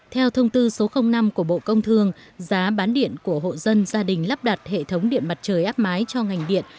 theo thông tư số năm của bộ công thương giá bán điện của hộ dân gia đình lắp đặt hệ thống điện mặt trời áp mái cho ngành điện